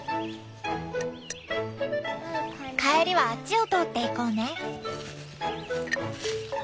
帰りはあっちを通っていこうね。